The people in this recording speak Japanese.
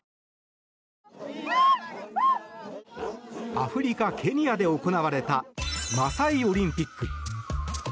アフリカ・ケニアで行われたマサイ・オリンピック。